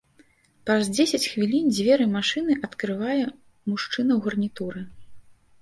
Праз дзесяць хвілін дзверы машыны адкрывае мужчына ў гарнітуры.